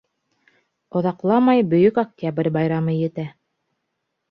Оҙаҡламай Бөйөк Октябрь байрамы етә.